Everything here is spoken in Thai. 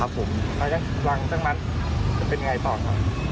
แล้วก็หลังจากนั้นจะเป็นยังไงต่อครับ